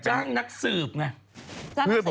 จ้างนักสืบเนี่ย